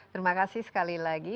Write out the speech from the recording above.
terima kasih sekali lagi